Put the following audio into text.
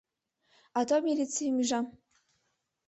Ато милицийым ӱжам.